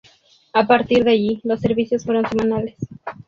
A partir de allí, los servicios fueron semanales.